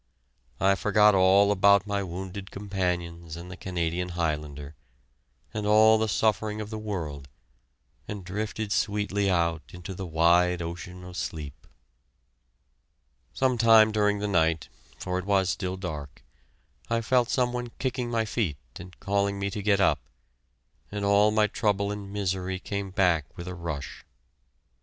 I forgot all about my wounded companions and the Canadian Highlander, and all the suffering of the world, and drifted sweetly out into the wide ocean of sleep. Some time during the night for it was still dark I felt some one kicking my feet and calling me to get up, and all my trouble and misery came back with a rush.